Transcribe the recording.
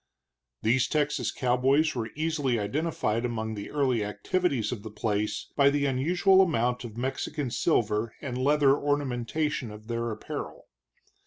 These Texas cowboys were easily identified among the early activities of the place by the unusual amount of Mexican silver and leather ornamentation of their apparel.